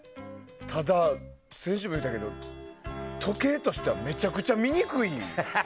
ただ、先週も言うたけど時計としてはめちゃくちゃ見にくいよ。